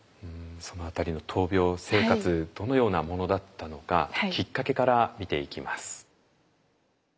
その辺りの闘病生活どのようなものだったのかきっかけから見ていきます。